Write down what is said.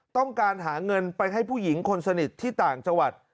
ต้องการหาเงินไปให้ผู้หญิงคนสนิทที่ต่างจังหวัด